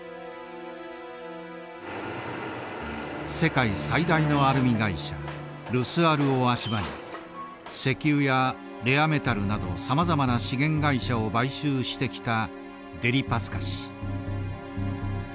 世界最大のアルミ会社ルスアルを足場に石油やレアメタルなどさまざまな資源会社を買収してきたデリパスカ氏。